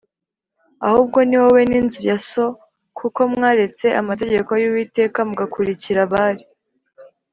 ahubwo ni wowe n’inzu ya so kuko mwaretse amategeko y’Uwiteka, mugakurikira Bāli